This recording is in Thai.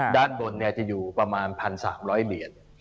ด้านบนจะอยู่ประมาณ๑๓๐๐เหรียญ